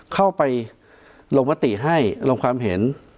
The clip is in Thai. เข้าไปลงมติให้ลงความเห็น